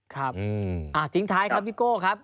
ครับอ่าจริงท้ายครับพี่ซิโก้ครับ